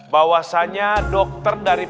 bahwasannya dokter dari